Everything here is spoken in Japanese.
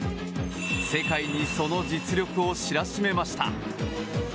世界にその実力を知らしめました。